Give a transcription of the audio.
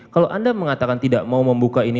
kalau anda mengatakan tidak mau membuka ini